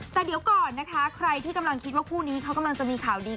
แต่เดี๋ยวก่อนนะคะใครที่กำลังคิดว่าคู่นี้เขากำลังจะมีข่าวดี